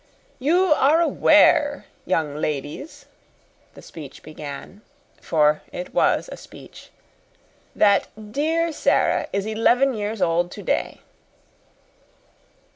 "You are aware, young ladies," the speech began for it was a speech "that dear Sara is eleven years old today."